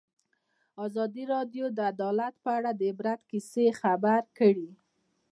ازادي راډیو د عدالت په اړه د عبرت کیسې خبر کړي.